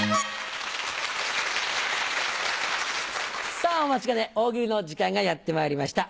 さぁお待ちかね大喜利の時間がやってまいりました。